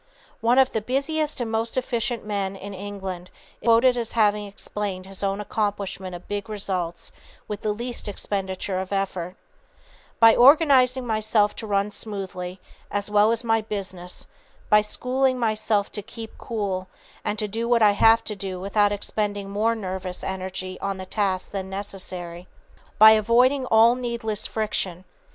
One of the busiest and most efficient men in England is quoted as having explained his own accomplishment of big results with the least expenditure of effort: "By organizing myself to run smoothly, as well as my business; by schooling myself to keep cool, and to do what I have to do without expending more nervous energy on the task than is necessary; by avoiding all needless friction.